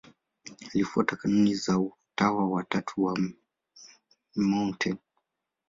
Alifuata kanuni za Utawa wa Tatu wa Mt.